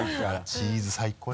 チーズ最高よ。